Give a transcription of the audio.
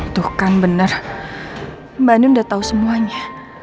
tuh kan bener mbak nindy udah tau semuanya